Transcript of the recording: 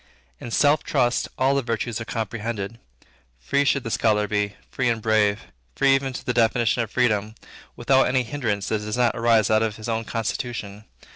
In self trust, all the virtues are comprehended. Free should the scholar be, free and brave. Free even to the definition of freedom, "without any hindrance that does not arise out of his own constitution."